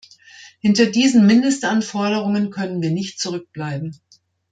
Hinter diesen Mindestanforderungen können wir nicht zurückbleiben.